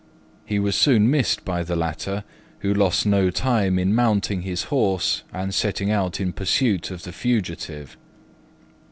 He was soon missed by the latter, who lost no time in mounting his horse and setting out in pursuit of the fugitive.